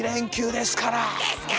ですから！